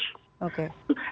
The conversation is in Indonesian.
menyebutkan perubahan k dua